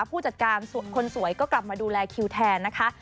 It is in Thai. ผู้จัดการคนสวยก็กลับมาดูแลคิวแทนนะคะ